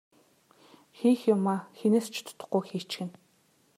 Хийх юмаа хэнээс ч дутахгүй хийчихнэ.